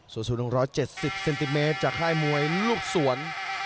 สูงสูง๑๗๐เซนติเมตรจากค่ายมวยลูกสวน